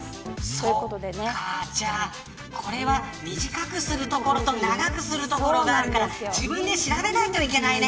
そうか、じゃあ、これは短くする所と長くする所があるから自分で調べないといけないね。